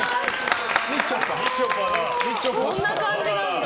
こんな感じなんだ。